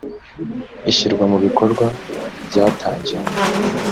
ishyirwa mubikorwa ryatangiye.